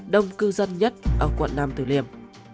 đông cư dân nhất ở quận năm tử liêm